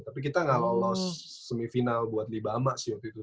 tapi kita gak lolos semifinal buat libama sih waktu itu